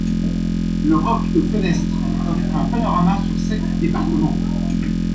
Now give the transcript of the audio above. Le roc de Fenestre offre un panorama sur sept départements.